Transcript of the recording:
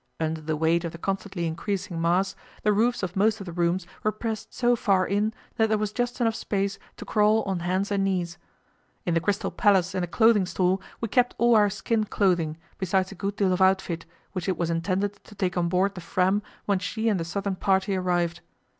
Under the weight of the constantly increasing mass, the roofs of most of the rooms were pressed so far in that there was just enough space to crawl on hands and knees. In the Crystal Palace and the Clothing Store we kept all our skin clothing, besides a good deal of outfit, which it was intended to take on board the Fram when she and the southern party arrived.